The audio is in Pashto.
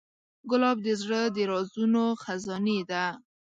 ګلاب د زړه د رازونو خزانې ده.